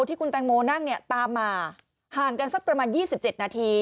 ที่คุณแตงโมนั่งเนี่ยตามมาห่างกันสักประมาณ๒๗นาที